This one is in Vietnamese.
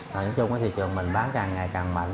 nói chung thị trường mình bán càng ngày càng mạnh